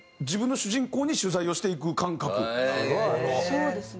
そうですね。